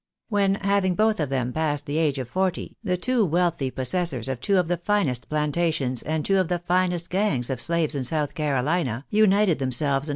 When, having both of them passed the age of forty, the two wealthy possessors of two of the finest plan tations and two of the finest gangs of slaves in South Carolina, united themselves 'vo.